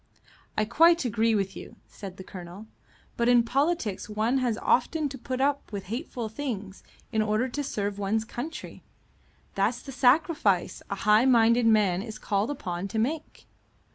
"I quite agree with you," said the Colonel. "But in politics one has often to put up with hateful things in order to serve one's country. That's the sacrifice a high minded man is called upon to make."